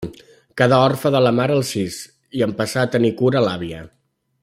Quedà orfe de la mare als sis i en passà a tenir-ne cura l'àvia.